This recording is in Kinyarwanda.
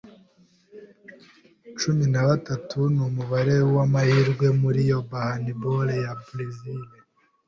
Cumi na batatu numubare wamahirwe muri yohanibora ya Berezile.